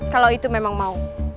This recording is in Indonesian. kalau itu memang mau